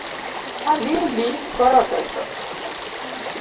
Halili koro osetho.